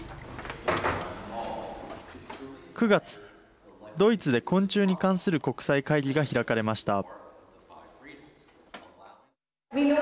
９月、ドイツで昆虫に関する国際会議が開かれました。